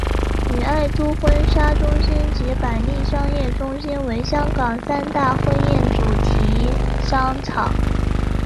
与爱都婚纱中心及百利商业中心为香港三大婚宴主题商场。